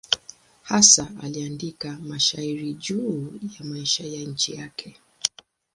Hasa aliandika mashairi juu ya maisha ya nchi yake.